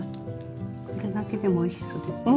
これだけでもおいしそうですね。